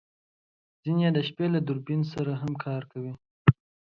ځینې یې د شپې له دوربین سره هم کار کوي